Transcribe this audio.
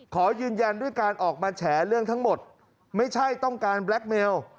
ขอยืนยันด้วยการออกมาแฉเรื่องทั้งหมดไม่ใช่ต้องการแบล็คเมล